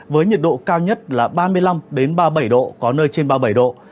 với nhiệt độ cao nhất là ba mươi năm ba mươi bảy độ có nơi trên ba mươi bảy độ